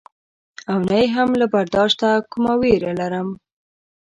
او نه یې هم له برداشته کومه وېره لرم.